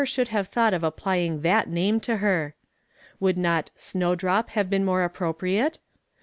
li()uld liuve thought of applying that iiiinie to her. Would not "snowdrop " liave been uiore appropriates ?